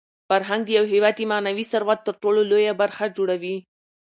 فرهنګ د یو هېواد د معنوي ثروت تر ټولو لویه برخه جوړوي.